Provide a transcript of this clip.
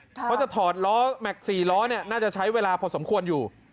เขาจะถอดล้อแม็กซ์๔ล้อน่าจะใช้เวลาพอสมควรอยู่